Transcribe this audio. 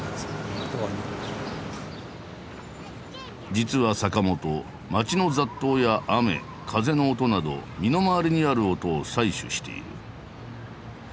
実は坂本街の雑踏や雨風の音など身の回りにある音を採取している。